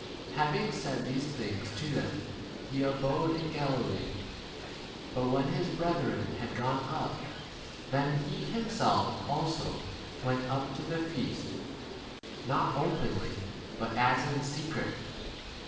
Having said these things to them he abode in Gali } lee. But when his brethren had gone up, then he himself also went up to the feast, not openly, L but as in secret.